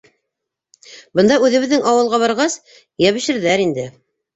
Бында үҙебеҙҙең ауылға барғас, йәбешерҙәр инде.